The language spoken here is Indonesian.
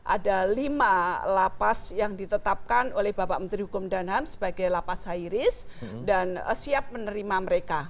ada lima lapas yang ditetapkan oleh bapak menteri hukum dan ham sebagai lapas high risk dan siap menerima mereka